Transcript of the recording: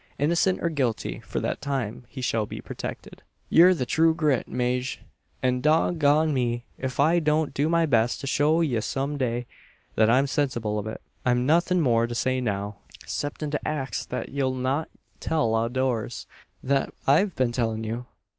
Innocent or guilty, for that time he shall be protected." "Yur the true grit, Maje; an dog gone me, ef I don't do my beest to show ye some day, thet I'm sensible o't. I've nuthin' more to say now, 'ceptin' to axe thet ye'll not tell out o' doors what I've been tellin' you.